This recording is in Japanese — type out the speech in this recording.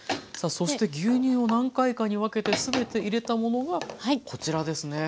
さあそして牛乳を何回かに分けて全て入れたものがこちらですね。